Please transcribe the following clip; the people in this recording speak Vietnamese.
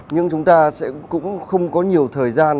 nhưng chúng ta sẽ cũng không có nhiều thời gian